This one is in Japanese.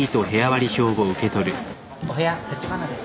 お部屋橘です。